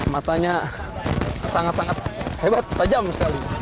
matanya sangat sangat hebat tajam sekali